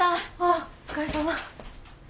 あお疲れさま。